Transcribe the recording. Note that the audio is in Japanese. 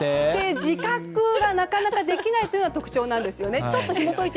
自覚がなかなかできないというのが特徴です。